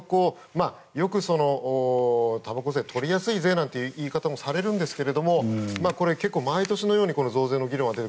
よく、たばこ税は取りやすい税なんていう言い方もされるんですけれど毎年のように増税の議論が出る。